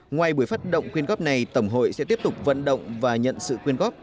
ngoài buổi phát động quyên góp này tổng hội sẽ tiếp tục vận động và nhận sự quyên góp